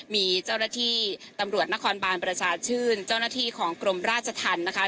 มีเจ้าหน้าที่ตำรวจนครบานประชาชื่นเจ้าหน้าที่ของกรมราชธรรมนะคะ